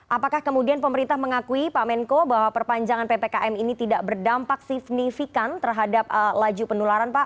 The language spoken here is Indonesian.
apakah kemudian pemerintah mengakui pak menko bahwa perpanjangan ppkm ini tidak berdampak signifikan terhadap laju penularan pak